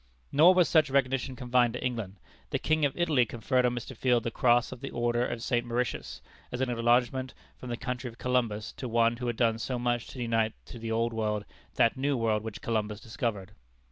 Nor was such recognition confined to England. The King of Italy conferred on Mr. Field the cross of the order of St. Mauritius, as an acknowledgment from the country of Columbus to one who had done so much to unite to the Old World that New World which Columbus discovered.